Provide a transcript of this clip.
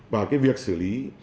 và việc xử lý